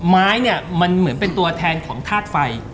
ไม้เนี่ยมันเหมือนเป็นตัวแทนของธาตุไฟ